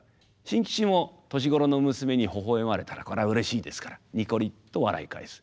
新吉も年頃の娘にほほ笑まれたらこれはうれしいですからニコリと笑い返す。